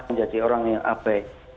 menjadi orang yang abai